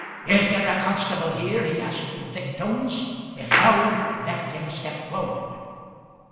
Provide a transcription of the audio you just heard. "Is there a constable here?" he asked, in thick tones. "If so, let him step forward."